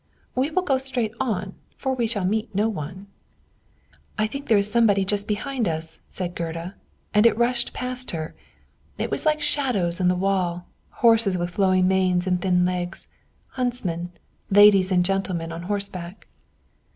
We will go straight on, for we shall meet no one." "I think there is somebody just behind us," said Gerda; and it rushed past her. It was like shadows on the wall: horses with flowing manes and thin legs, huntsmen, ladies and gentlemen on horseback.